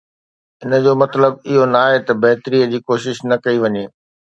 ان جو مطلب اهو ناهي ته بهتري جي ڪوشش نه ڪئي وڃي.